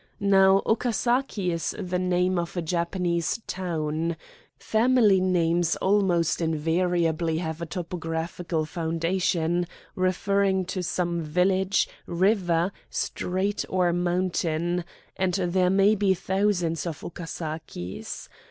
Now, Okasaki is the name of a Japanese town. Family names almost invariably have a topographical foundation, referring to some village, river, street, or mountain, and there may be thousands of Okasakis.